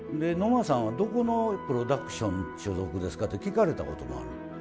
「野間さんはどこのプロダクション所属ですか？」って聞かれたこともある。